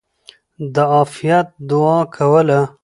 د عافيت دعاء کوله!!.